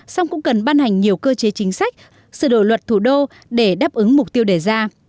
song cũng cần ban hành nhiều cơ chế chính sách sửa đổi luật thủ đô để đáp ứng mục tiêu đề ra